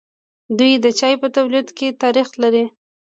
دوی د چای په تولید کې تاریخ لري.